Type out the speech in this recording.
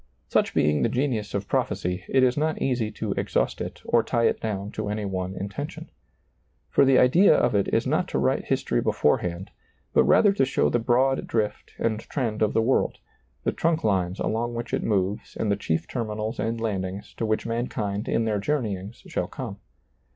Such being the genius of prophecy, it is not easy to exhaust it or tie it down to any one intention. For the idea of it is not to write history before ^lailizccbvGoOgle 173 SEEING DARKLY hand, but rather to show the broad drift and trend of the world, the trunk lines along which it moves and the chief terminals and landings to which mankind in their journeyings shall come.